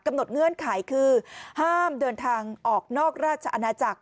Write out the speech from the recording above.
เงื่อนไขคือห้ามเดินทางออกนอกราชอาณาจักร